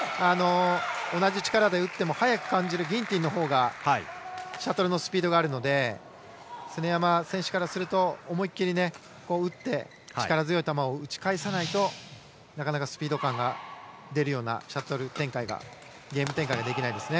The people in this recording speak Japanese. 同じ力で打っても速く感じるギンティンのほうがシャトルのスピードがあるので常山選手からすると思い切り打って、力強い球を打ち返さないとスピード感が出るようなゲーム展開ができないですね。